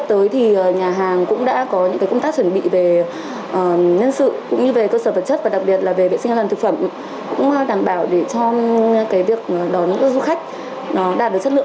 từ nhiều ngày nay công tác chuẩn bị đang được vận hành khẩn trương việc kiểm tra an toàn vệ sinh thực phẩm cũng được trú trọng